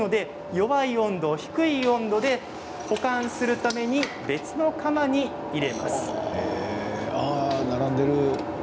弱い温度、低い温度で保管するために並んでる。